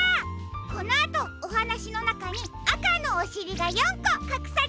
このあとおはなしのなかにあかのおしりが４こかくされているよ。